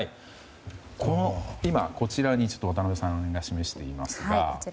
今、渡辺さんが示していますが。